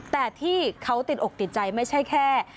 แต่ที่เขาติดอกติดใจไม่ใช่แค่